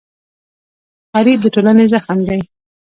غریب د ټولنې زخم دی